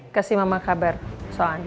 terus kasih mama kabar soal andi